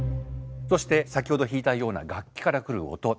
そして先ほど弾いたような楽器から来る音。